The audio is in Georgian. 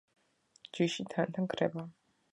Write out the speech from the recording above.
ჯიში თანდათან ქრება.